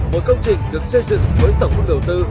một công trình được xây dựng với tổng mức đầu tư